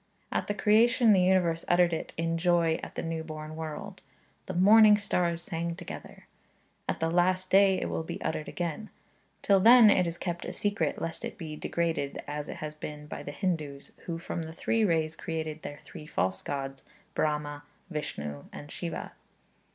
At the creation the universe uttered it in joy at the new born world; 'the morning stars sang together.' At the last day it will be uttered again. Till then it is kept a secret, lest it be degraded, as it has been by the Hindus, who, from the three rays created their three false gods, Brahma, Vishnu, and Siva.